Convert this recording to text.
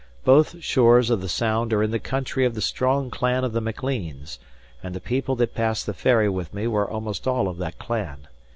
Both shores of the Sound are in the country of the strong clan of the Macleans, and the people that passed the ferry with me were almost all of that clan.